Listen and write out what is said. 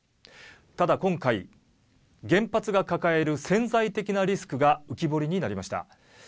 ただ、今回原発が抱える潜在的なリスクが浮き彫りになりました。